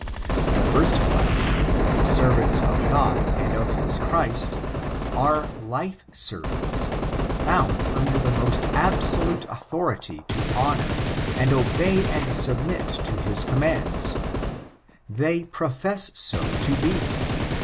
The first class — the servants of God and of his CbrisI — are life servants; bound under the most i^bsol\ite authority to honor and obey and subnit to bis coqi mands. They proft>ss so to be.